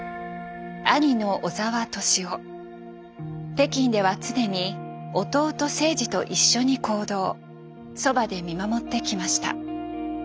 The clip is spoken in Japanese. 北京では常に弟征爾と一緒に行動そばで見守ってきました。